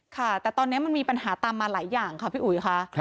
ค่ะแต่ตอนนี้มันมีปัญหาตามมาหลายอย่างค่ะพี่อุ๋ยค่ะ